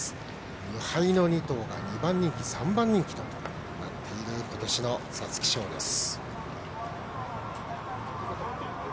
無敗の２頭が２番人気、３番人気となっている今年の皐月賞です。